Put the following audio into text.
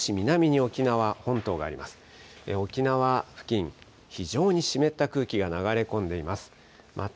沖縄付近、非常に湿った空気が流れ込んでいます。